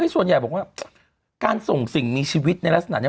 ส่วนใหญ่บอกว่าการส่งสิ่งมีชีวิตในลักษณะนี้